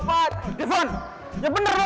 kareng kemana ya